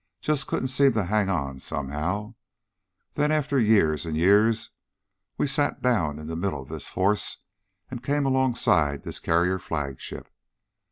Just couldn't seem to hang on somehow. Then after years and years we sat down in the middle of this force and came alongside this carrier flagship.